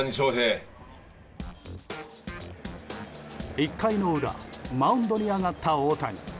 １回の裏マウンドに上がった大谷。